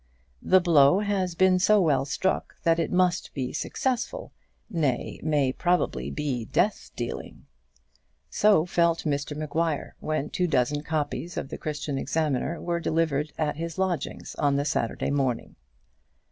The blow has been so well struck that it must be successful, nay, may probably be death dealing. So felt Mr Maguire when two dozen copies of the Christian Examiner were delivered at his lodgings on the Saturday morning.